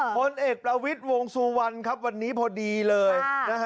คนเอกประวิดวงสู่วันครับวันนี้พอดีเลย